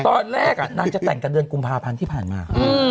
ตอนแรกนางจะแต่งกันเดือนกุมภาพันธ์ที่ผ่านมา